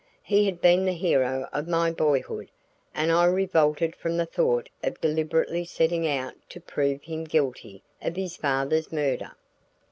He had been the hero of my boyhood and I revolted from the thought of deliberately setting out to prove him guilty of his father's murder.